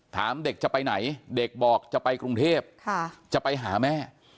ถามเด็กจะไปไหนเด็กบอกจะไปกรุงเทพจะไปหาแม่